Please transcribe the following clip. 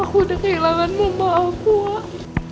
aku udah kehilangan mama aku wak